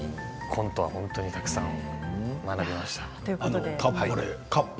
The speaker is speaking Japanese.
コントはたくさん学びました。